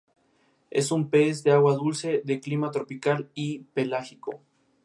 Unas noches más tarde, dos asaltantes ven a Paul en el subterráneo.